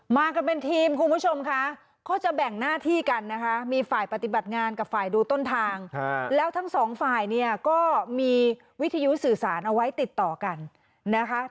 มากันเป็นทีมคุณผู้ชมค่ะก็จะแบ่งหน้าที่กันนะคะมีฝ่ายปฏิบัติงานกับฝ่ายดูต้นทางแล้วทั้งสองฝ่ายเนี่ยก็มีวิทยุสื่อสารเอาไว้ติดต่อกันนะคะ